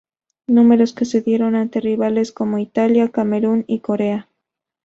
Números que se dieron ante rivales como: Italia, Camerún y Corea.